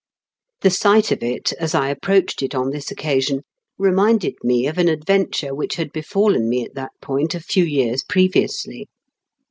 The sight of it, as I approached it on this occasion, reminded me of an adventure which had befallen me at that point a few years previously.